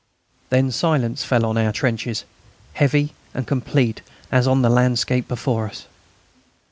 Then silence fell on our trenches, heavy and complete as on the landscape before us.